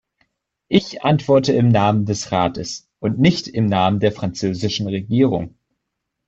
Ich antworte im Namen des Rates, und nicht im Namen der französischen Regierung.